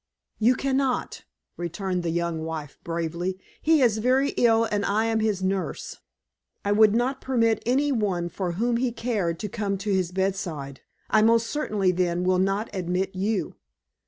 "You can not!" returned the young wife, bravely. "He is very ill, and I am his nurse. I would not permit any one for whom he cared to come to his bedside; I most certainly, then, will not admit you!"